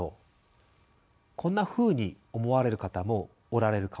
こんなふうに思われる方もおられるかもしれません。